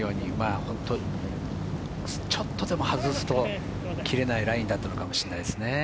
ちょっとでも外すと切れないラインだったのかもしれないですね。